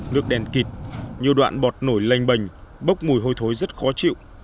nước đen kịt nhiều đoạn bọt nổi lanh bành bốc mùi hôi thối rất khó chịu